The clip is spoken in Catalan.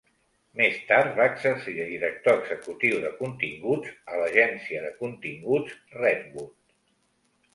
Més tard va exercir de director executiu de continguts a l'agència de continguts Redwood.